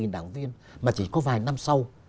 năm đảng viên mà chỉ có vài năm sau